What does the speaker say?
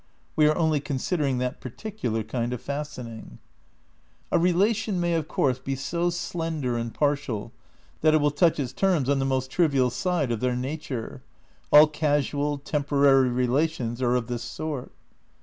We are only con sidering that particular kind of fastening. VI RECONSTRUCTION OF IDEALISM 239 A relation may of course be so slender and partial that it will touch its terms on the most trivial side of their nature : all casual, temporary relations are of this sort.